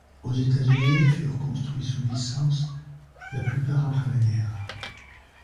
Aux États-Unis, furent construits sous licence, la plupart après la guerre.